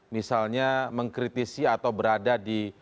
misalnya mengkritisi atau berada di